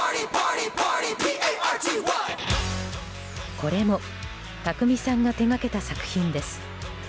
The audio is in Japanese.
これも、宅見さんが手がけた作品です。